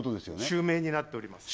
襲名になっております